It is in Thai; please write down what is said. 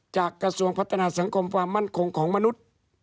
กระทรวงพัฒนาสังคมความมั่นคงของมนุษย์